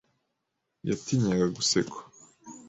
Yatinyaga gusekwa.